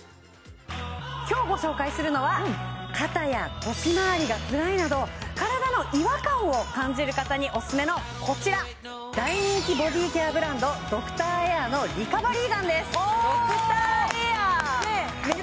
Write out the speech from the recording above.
今日ご紹介するのは肩や腰まわりがつらいなど体の違和感を感じる方にオススメのこちら大人気ボディケアブランドドクターエアのリカバリーガンですおおっ！